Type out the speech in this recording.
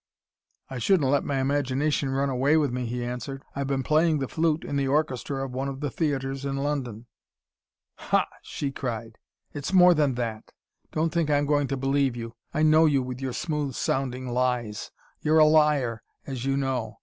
"I shouldn't let my imagination run away with me," he answered. "I've been playing the flute in the orchestra of one of the theatres in London." "Ha!" she cried. "It's more than that. Don't think I'm going to believe you. I know you, with your smooth sounding lies. You're a liar, as you know.